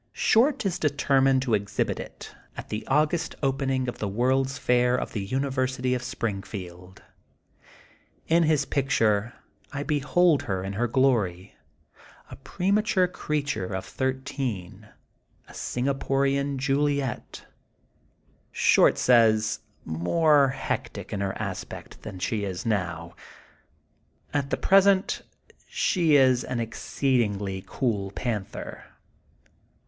Short is determined to exhibit it at the August opening of The World's Fair of the Uni versity of Springfield. In this picture I behold her in her glory, a premature creature of thir teen, a Singaporian Juliet, Short says more hectic in her aspect than she is now. At the present she is an exceedingly cool panther.